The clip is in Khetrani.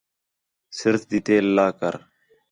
سِر تی تیل لا کر